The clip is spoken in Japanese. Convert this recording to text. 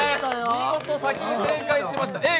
見事、先に正解しましたＡぇ！